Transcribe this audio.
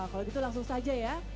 kalau gitu langsung saja ya